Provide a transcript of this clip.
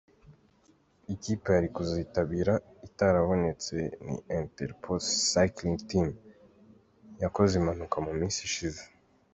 Ikipe yari kuzitabira itarabonetse ni “Interpro Cycling Team” yakoze impanuka mu minsi ishize.